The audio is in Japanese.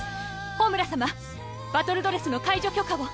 ホムラ様バトルドレスの解除許可を。